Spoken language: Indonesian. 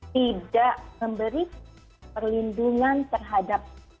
tidak memberi perlindungan terhadap